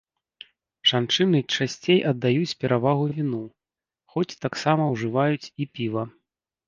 Жанчыны часцей аддаюць перавагу віну, хоць таксама ўжываюць і піва.